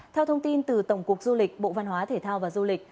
theo thông tin từ tổng cục du lịch bộ văn hóa thể thao và du lịch